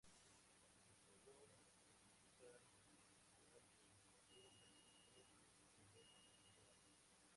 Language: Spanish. Le Brun alcanza el ideal del pintor gran señor y amigo del soberano.